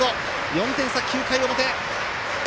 ４点差、９回表。